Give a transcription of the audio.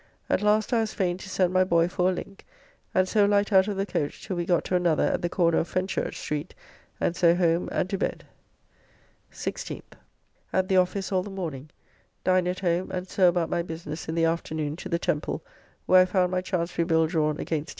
At last I was fain to send my boy for a link, and so light out of the coach till we got to another at the corner of Fenchurch Street, and so home, and to bed. 16th. At the office all the morning. Dined at home, and so about my business in the afternoon to the Temple, where I found my Chancery bill drawn against T.